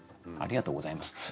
ありがとうございます。